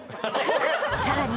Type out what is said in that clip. さらに